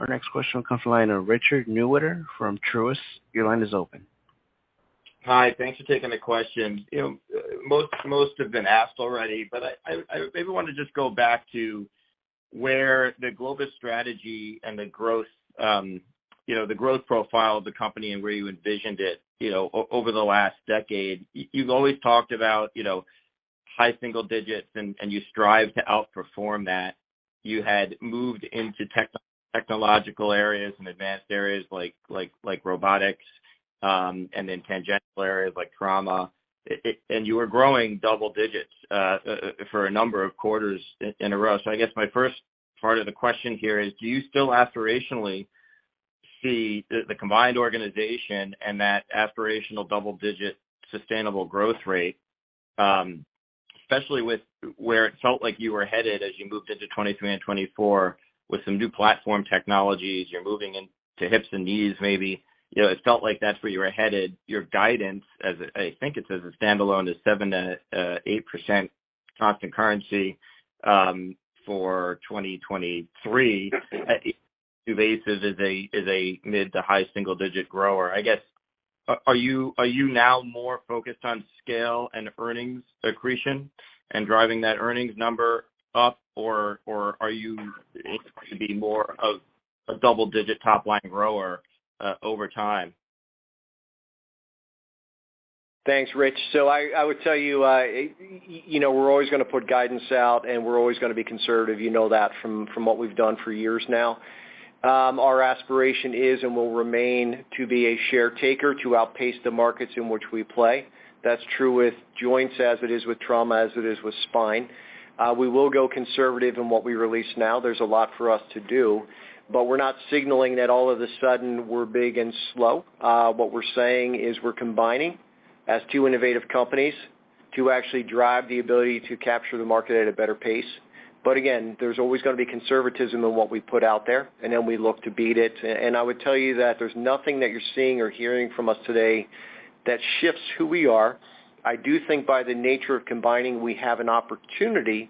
Our next question comes from the line of Richard Newitter from Truist. Your line is open. Hi. Thanks for taking the question. You know, most have been asked already, but I maybe want to just go back to where the Globus strategy and the growth, you know, the growth profile of the company and where you envisioned it, you know, over the last decade. You've always talked about, you know, high single digits and you strive to outperform that. You had moved into technological areas and advanced areas like robotics, and then tangential areas like trauma. You were growing double digits, for a number of quarters in a row. I guess my first part of the question here is, do you still aspirationally see the combined organization and that aspirational double-digit sustainable growth rate, especially with where it felt like you were headed as you moved into 2023 and 2024 with some new platform technologies, you're moving into hips and knees, maybe. You know, it felt like that's where you were headed. Your guidance I think it's as a standalone is 7%-8% constant currency for 2023. NuVasive is a, is a mid-to-high single-digit grower. I guess, are you now more focused on scale and earnings accretion and driving that earnings number up, or are you looking to be more of a double-digit top line grower over time? Thanks, Rich. I would tell you know, we're always gonna put guidance out, and we're always gonna be conservative. You know that from what we've done for years now. Our aspiration is and will remain to be a share taker to outpace the markets in which we play. That's true with joints as it is with trauma, as it is with spine. We will go conservative in what we release now. There's a lot for us to do, but we're not signaling that all of a sudden we're big and slow. What we're saying is we're combining as two innovative companies to actually drive the ability to capture the market at a better pace. Again, there's always gonna be conservatism in what we put out there, and then we look to beat it. I would tell you that there's nothing that you're seeing or hearing from us today that shifts who we are. I do think by the nature of combining, we have an opportunity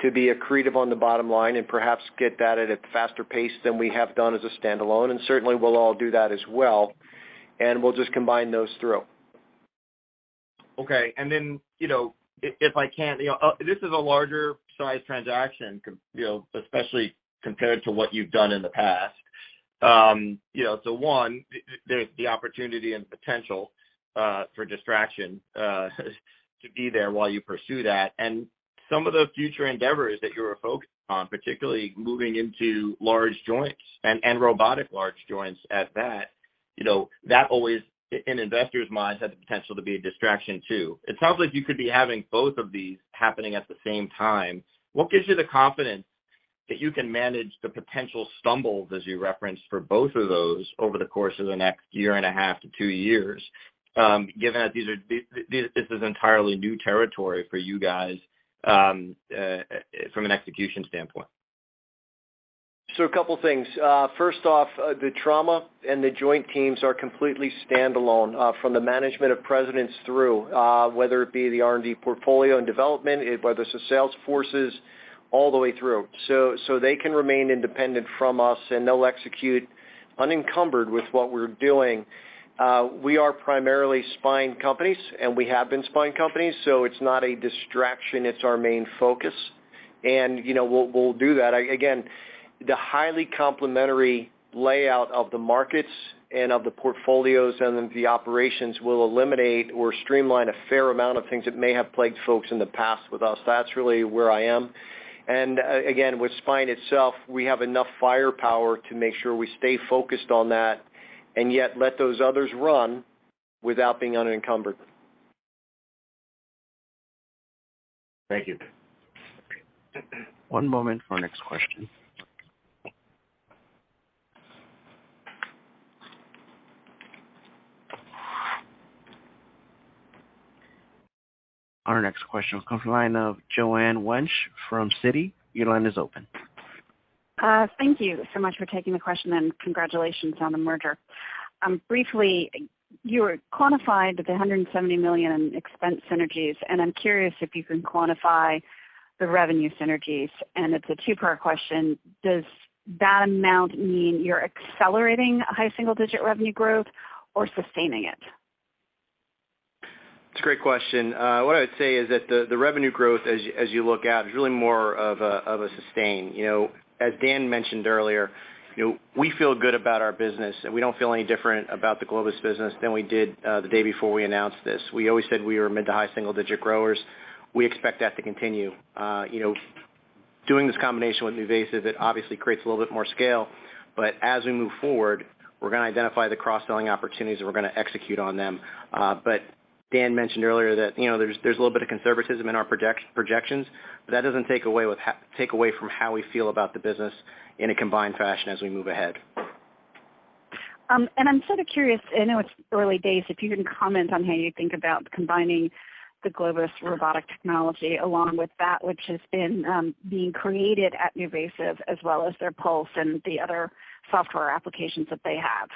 to be accretive on the bottom line and perhaps get that at a faster pace than we have done as a standalone. Certainly, we'll all do that as well, and we'll just combine those through. Okay. You know, if I can, you know, this is a larger size transaction, you know, especially compared to what you've done in the past. You know, one, there's the opportunity and potential for distraction to be there while you pursue that. Some of the future endeavors that you were focused on, particularly moving into large joints and robotic large joints at that, you know, that always, in investors' minds, has the potential to be a distraction too. It sounds like you could be having both of these happening at the same time. What gives you the confidence that you can manage the potential stumbles, as you referenced, for both of those over the course of the next year and a half to two years, given that this is entirely new territory for you guys, from an execution standpoint? A couple things. First off, the trauma and the joint teams are completely standalone from the management of presidents through, whether it be the R&D portfolio and development, whether it's the sales forces all the way through. They can remain independent from us, and they'll execute unencumbered with what we're doing. We are primarily spine companies, and we have been spine companies, so it's not a distraction. It's our main focus. You know, we'll do that. Again, the highly complementary layout of the markets and of the portfolios and then the operations will eliminate or streamline a fair amount of things that may have plagued folks in the past with us. That's really where I am. Again, with spine itself, we have enough firepower to make sure we stay focused on that and yet let those others run without being unencumbered. Thank you. One moment for our next question. Our next question comes from the line of Joanne Wuensch from Citi. Your line is open. Thank you so much for taking the question. Congratulations on the merger. Briefly, you were quantified with the $170 million in expense synergies, and I'm curious if you can quantify the revenue synergies. It's a two-part question. Does that amount mean you're accelerating high single-digit revenue growth or sustaining it? It's a great question. What I would say is that the revenue growth as you look out is really more of a sustain. You know, as Dan mentioned earlier, you know, we feel good about our business, and we don't feel any different about the Globus business than we did the day before we announced this. We always said we were mid to high single-digit growers. We expect that to continue. You know, doing this combination with NuVasive, it obviously creates a little bit more scale. As we move forward, we're gonna identify the cross-selling opportunities, and we're gonna execute on them. Dan mentioned earlier that, you know, there's a little bit of conservatism in our projections, but that doesn't take away from how we feel about the business in a combined fashion as we move ahead. I'm sort of curious, I know it's early days, if you can comment on how you think about combining the Globus robotic technology along with that which has been being created at NuVasive as well as their Pulse and the other software applications that they have.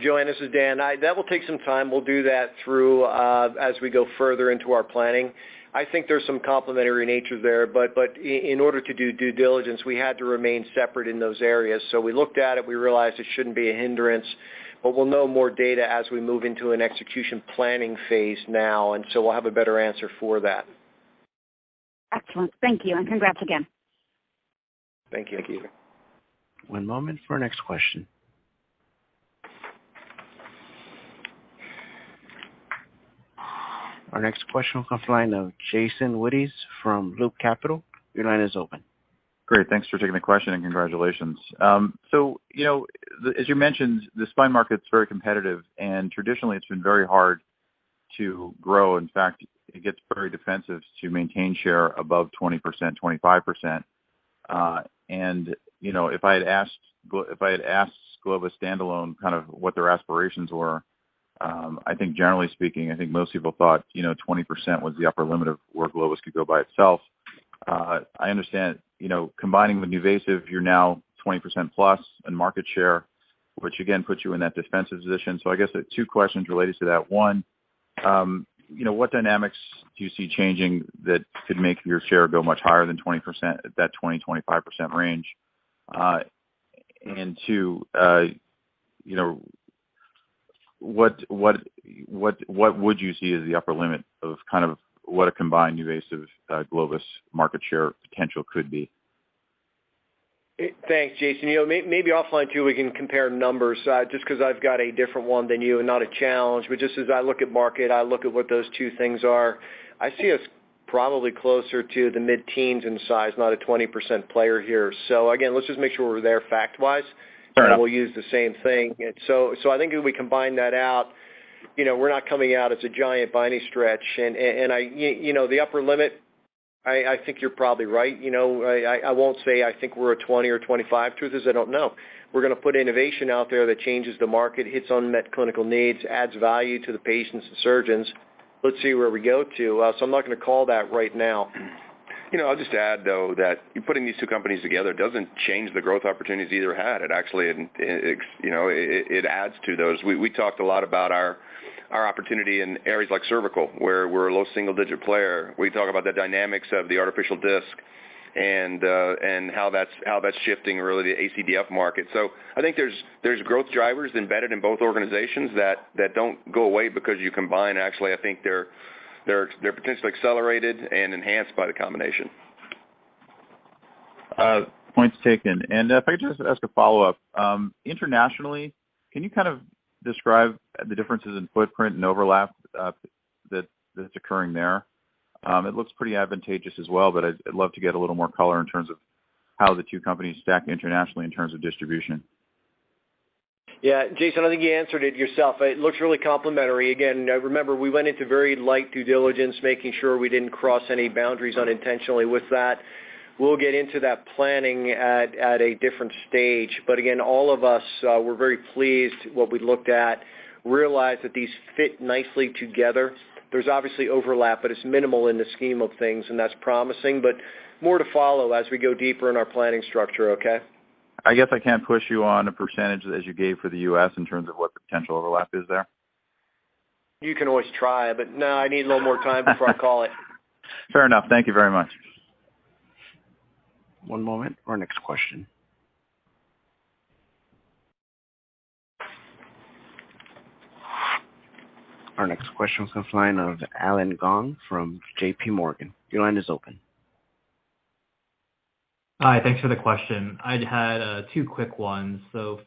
Joanne, this is Dan. That will take some time. We'll do that through, as we go further into our planning. I think there's some complementary nature there, but, in order to do due diligence, we had to remain separate in those areas. We looked at it, we realized it shouldn't be a hindrance, but we'll know more data as we move into an execution planning phase now, we'll have a better answer for that. Excellent. Thank you, and congrats again. Thank you. Thank you. One moment for our next question. Our next question comes line of Jason Wittes from Loop Capital. Your line is open. Great. Thanks for taking the question and congratulations. You know, as you mentioned, the spine market's very competitive and traditionally it's been very hard to grow. In fact, it gets very defensive to maintain share above 20%, 25%. You know, if I had asked Globus standalone kind of what their aspirations were, I think generally speaking, I think most people thought, you know, 20% was the upper limit of where Globus could go by itself. I understand, you know, combining with NuVasive, you're now 20%+ in market share, which again puts you in that defensive position. I guess the two questions related to that. One, you know, what dynamics do you see changing that could make your share go much higher than 20%, that 20%-25% range? Two, you know, what would you see as the upper limit of kind of what a combined NuVasive Globus market share potential could be? Thanks, Jason. You know, maybe offline too, we can compare numbers, just 'cause I've got a different one than you and not a challenge. Just as I look at market, I look at what those two things are. I see us probably closer to the mid-teens in size, not a 20% player here. Again, let's just make sure we're there fact-wise. Fair enough. We'll use the same thing. I think if we combine that out, you know, we're not coming out as a giant by any stretch. I, you know, the upper limit, I think you're probably right. You know, I won't say I think we're a 20% or 25%. Truth is, I don't know. We're gonna put innovation out there that changes the market, hits unmet clinical needs, adds value to the patients and surgeons. Let's see where we go to. I'm not gonna call that right now. You know, I'll just add though that putting these two companies together doesn't change the growth opportunities either had. It actually adds to those. We talked a lot about our opportunity in areas like cervical, where we're a low single digit player. We talk about the dynamics of the artificial disc and how that's shifting really the ACDF market. I think there's growth drivers embedded in both organizations that don't go away because you combine. Actually, I think they're potentially accelerated and enhanced by the combination. Point's taken. If I could just ask a follow-up. Internationally, can you kind of describe the differences in footprint and overlap, that's occurring there? It looks pretty advantageous as well, but I'd love to get a little more color in terms of how the two companies stack internationally in terms of distribution. Yeah. Jason, I think you answered it yourself. It looks really complementary. Remember we went into very light due diligence, making sure we didn't cross any boundaries unintentionally with that. We'll get into that planning at a different stage. All of us, we're very pleased what we looked at, realized that these fit nicely together. There's obviously overlap, but it's minimal in the scheme of things, and that's promising, but more to follow as we go deeper in our planning structure. Okay? I guess I can't push you on a percentage as you gave for the U.S. in terms of what the potential overlap is there? You can always try, but no, I need a little more time before I call it. Fair enough. Thank you very much. One moment for our next question. Our next question comes line of Allen Gong from JPMorgan. Your line is open. Hi. Thanks for the question. I'd had two quick ones.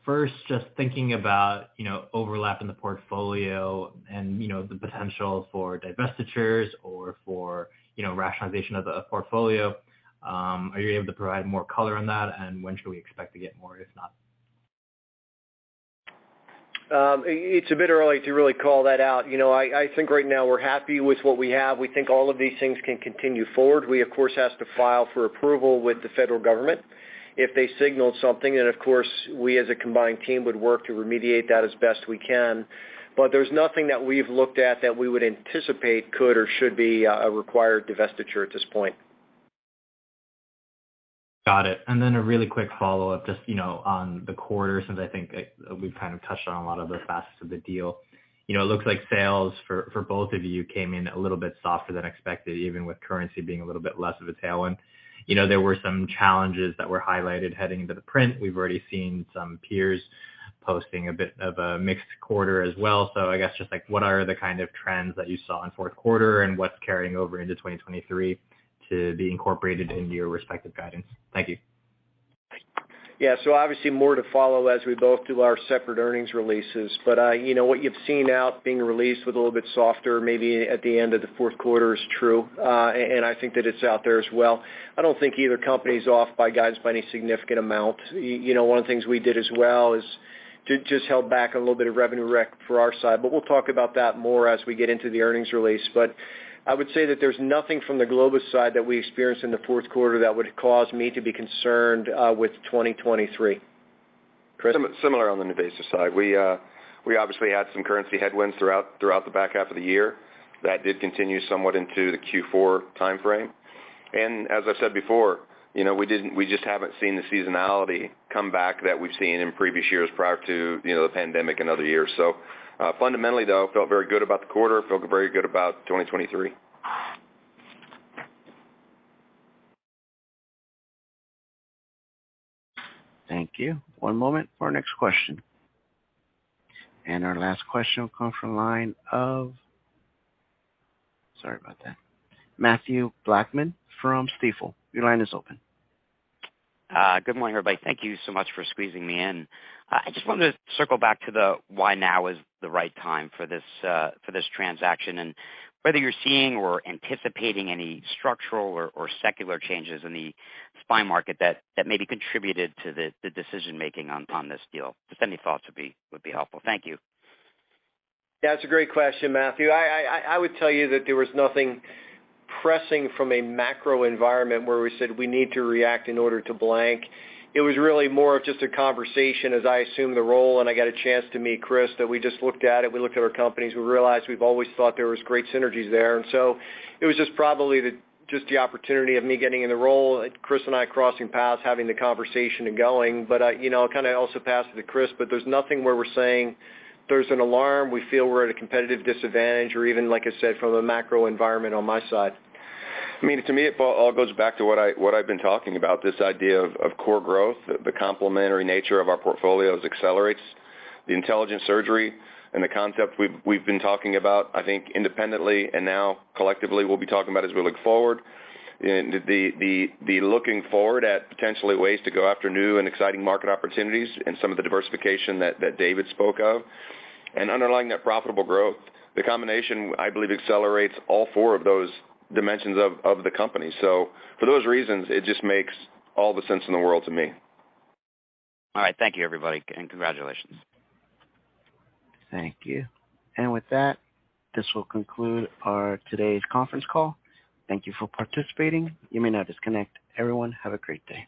First, just thinking about, you know, overlap in the portfolio and, you know, the potential for divestitures or for, you know, rationalization of the portfolio. Are you able to provide more color on that? When should we expect to get more, if not? It's a bit early to really call that out. You know, I think right now we're happy with what we have. We think all of these things can continue forward. We, of course, has to file for approval with the Federal government. If they signaled something, then of course, we as a combined team would work to remediate that as best we can. There's nothing that we've looked at that we would anticipate could or should be a required divestiture at this point. Got it. Then a really quick follow-up just, you know, on the quarter since I think, we've kind of touched on a lot of the facets of the deal. You know, it looks like sales for both of you came in a little bit softer than expected, even with currency being a little bit less of a tailwind. You know, there were some challenges that were highlighted heading into the print. We've already seen some peers posting a bit of a mixed quarter as well. I guess just like what are the kind of trends that you saw in fourth quarter and what's carrying over into 2023 to be incorporated into your respective guidance? Thank you. Yeah. Obviously more to follow as we both do our separate earnings releases. You know, what you've seen out being released with a little bit softer maybe at the end of the fourth quarter is true. I think that it's out there as well. I don't think either company's off by guides by any significant amount. You know, one of the things we did as well is to just held back a little bit of revenue rec for our side, we'll talk about that more as we get into the earnings release. I would say that there's nothing from the Globus side that we experienced in the fourth quarter that would cause me to be concerned with 2023. Chris? Similar on the NuVasive side. We obviously had some currency headwinds throughout the back half of the year. That did continue somewhat into the Q4 timeframe. As I said before, you know, we just haven't seen the seasonality come back that we've seen in previous years prior to, you know, the pandemic and other years. Fundamentally, though, felt very good about the quarter. Feel very good about 2023. Thank you. One moment for our next question. Sorry about that. Mathew Blackman from Stifel. Your line is open. Good morning, everybody. Thank you so much for squeezing me in. I just wanted to circle back to the why now is the right time for this, for this transaction and whether you're seeing or anticipating any structural or secular changes in the spine market that maybe contributed to the decision-making on this deal. Just any thoughts would be helpful. Thank you. That's a great question, Mathew. I would tell you that there was nothing pressing from a macro environment where we said we need to react in order to blank. It was really more of just a conversation as I assumed the role and I got a chance to meet Chris, that we just looked at it, we looked at our companies, we realized we've always thought there was great synergies there. It was just probably the, just the opportunity of me getting in the role, Chris and I crossing paths, having the conversation and going. I, you know, I'll kind of also pass it to Chris. There's nothing where we're saying there's an alarm, we feel we're at a competitive disadvantage or even, like I said, from a macro environment on my side. I mean, to me, it all goes back to what I've been talking about, this idea of core growth. The complementary nature of our portfolios accelerates the intelligent surgery and the concept we've been talking about, I think independently and now collectively we'll be talking about as we look forward. The looking forward at potentially ways to go after new and exciting market opportunities and some of the diversification that David spoke of. Underlying that profitable growth, the combination, I believe, accelerates all four of those dimensions of the company. For those reasons, it just makes all the sense in the world to me. All right. Thank you, everybody, and congratulations. Thank you. With that, this will conclude our today's conference call. Thank you for participating. You may now disconnect. Everyone, have a great day.